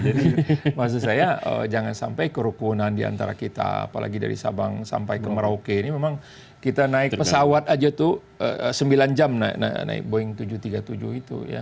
jadi maksud saya jangan sampai kerukunan di antara kita apalagi dari sabang sampai ke merauke ini memang kita naik pesawat aja tuh sembilan jam naik boeing tujuh ratus tiga puluh tujuh itu ya